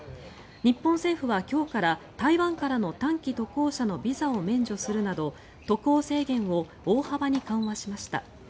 日本政府は今日から台湾からの短期渡航者のビザを免除するなど渡航制限を大幅に緩和しました。